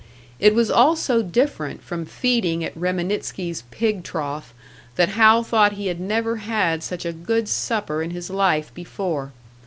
It was all so different from feeding at Reminitsky's pig trough, that Hal thought he had never had such a good supper in his life before.